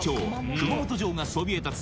熊本城がそびえ立つ